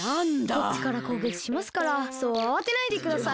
こっちからこうげきしますからそうあわてないでください。